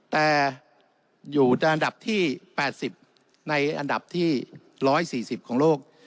แต่อยู่ในอันดับที่แปดสิบในอันดับที่ร้อยสี่สิบของโลก